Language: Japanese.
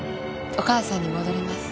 お母さんに戻ります。